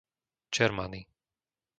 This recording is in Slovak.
Čermany